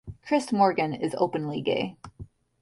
Chris Morgan is openly gay.